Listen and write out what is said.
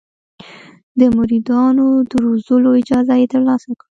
د مریدانو د روزلو اجازه یې ترلاسه کړه.